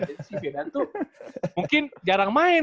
jadi si fyodan tuh mungkin jarang main